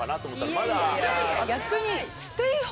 逆に。